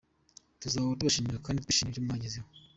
Tuzahora tubashimira kandi twishimira ibyo mwagezeho.